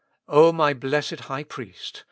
O my blessed High Priest !